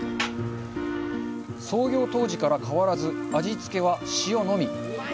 創業当時から変わらず味付けは塩のみ。